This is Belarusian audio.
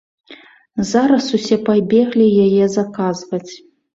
Зараз усе пабеглі яе заказваць.